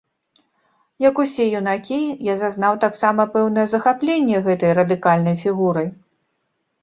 Як усе юнакі, я зазнаў таксама пэўнае захапленне гэтай радыкальнай фігурай.